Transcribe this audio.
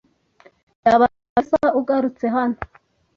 Byaba byiza ugarutse hano.